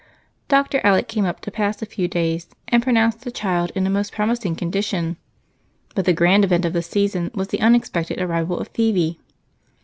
Dr. Alec came up to pass a few days and pronounced the child in a most promising condition. But the grand event of the season was the unexpected arrival of Phebe.